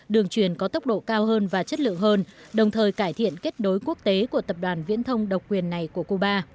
đường truyền có tốc độ cao hơn và chất lượng hơn đồng thời cải thiện kết nối quốc tế của tập đoàn viễn thông độc quyền này của cuba